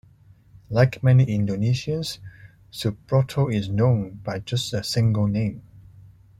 Like many Indonesians, Subroto is known by just a single name.